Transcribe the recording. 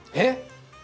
えっ！